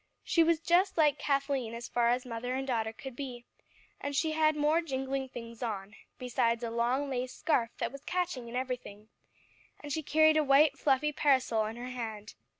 She was just like Kathleen as far as mother and daughter could be, and she had more jingling things on, besides a long lace scarf that was catching in everything; and she carried a white, fluffy parasol in her hand.